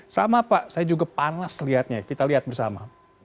sama pak saya juga panas lihatnya kita lihat bersama